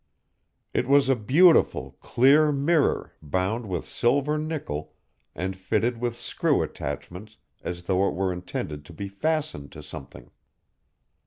It was a beautiful, clear mirror bound with silver nickel and fitted with screw attachments as though it were intended to be fastened to something.